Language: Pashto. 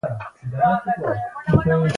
هغه د مغولو امپراطوري را پورته کړي.